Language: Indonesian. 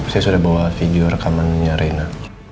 saya sudah bawa video rekamannya reina